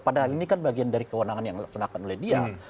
padahal ini kan bagian dari kewenangan yang dilaksanakan oleh dia